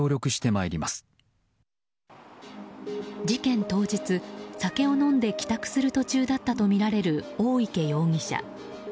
事件当日、酒を飲んで帰宅する途中だったとみられる大池容疑者。